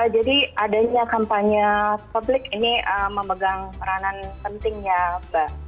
jadi adanya kampanye publik ini memegang peranan pentingnya mbak